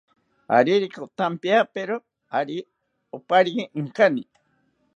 Aririka otampiapero, ari oparie inkani